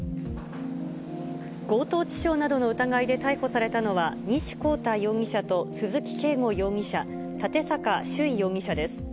強盗致傷などの疑いで逮捕されたのは、西康太容疑者と鈴木慶吾容疑者、舘坂珠生容疑者です。